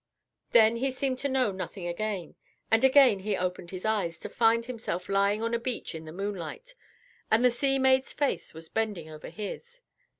Then he seemed to know nothing again; and again he opened his eyes, to find himself lying on a beach in the moonlight, and the sea maid's face was bending over his.